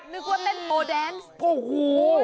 นึกว่าเต้นโมแดนซ์โอ้โห